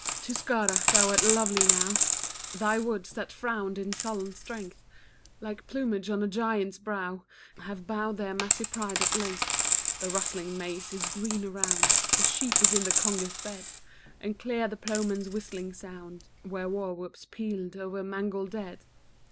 Tuscara! thou art lovely now, Thy woods, that frown'd in sullen strength Like plumage on a giant's brow, Have bowed their massy pride at length. The rustling maize is green around, The sheep is in the Congar's bed; And clear the ploughman's whistlings sound Where war whoop's pealed o'er mangled dead.